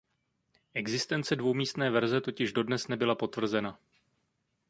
Existence dvoumístné verze totiž dodnes nebyla potvrzena.